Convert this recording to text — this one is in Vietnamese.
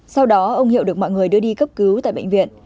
sau đó ông hiệu được mọi người đưa đi cấp cứu tại bệnh viện